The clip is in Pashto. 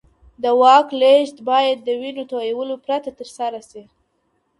د واک لېږد بايد د وينو تويولو پرته ترسره سي.